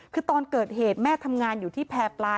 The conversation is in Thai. คือตอนเกิดเหตุแม่ทำงานอยู่ที่แพร่ปลา